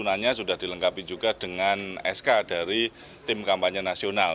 penggunaannya sudah dilengkapi juga dengan sk dari tim kampanye nasional